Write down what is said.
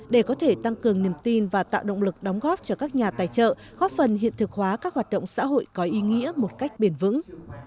để có thể tăng cường niềm tin và tạo động lực đóng góp cho các nhà tài trợ góp phần hiện thực hóa các hoạt động xã hội có ý nghĩa một cách bền vững